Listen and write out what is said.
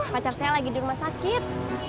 pacar saya lagi di rumah sakit